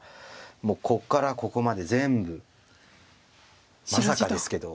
もうここからここまで全部まさかですけど。